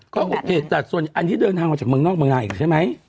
ก็โอเคแต่ส่วนอันนี้เดินทางมาจากเมืองนอกเมืองนาอีกใช่ไหม